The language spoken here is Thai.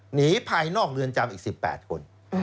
หนีภายนอกเรือนจำอีก๑๘คน